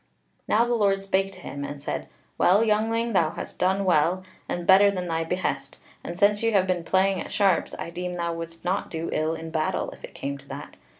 Now the Lord spake to him and said: "Well, youngling, thou hast done well, and better than thy behest: and since ye have been playing at sharps, I deem thou would'st not do ill in battle, if it came to that.